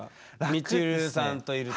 みちるさんといると。